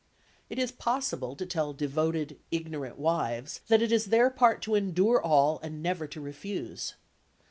It is possible to tell devoted ignorant wives that it is their part to endure all and never to refuse.